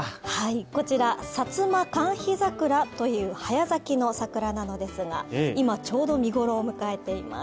こちら、サツマカンヒザクラという早咲きの桜なのですが、今、ちょうど見頃を迎えています。